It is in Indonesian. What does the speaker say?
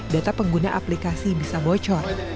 data pengguna aplikasi bisa bocor